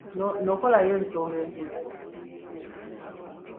Nokolayo ensonga enkulu